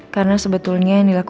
karena sebetulnya nilaku